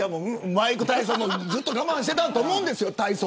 マイク・タイソンもずっと我慢していたと思うんですよ。